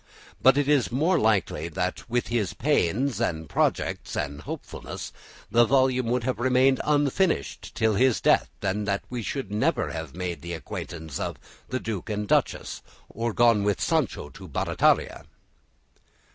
But it is more likely that, with his plans, and projects, and hopefulness, the volume would have remained unfinished till his death, and that we should have never made the acquaintance of the Duke and Duchess, or gone with Sancho to Barataria.